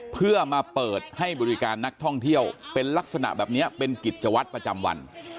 เพื่อมาเปิดให้บริการนักท่องเที่ยวเป็นลักษณะแบบนี้เป็นกิจวัตรประจำวัน